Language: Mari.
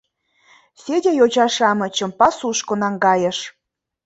Федя йоча-шамычым пасушко наҥгайыш.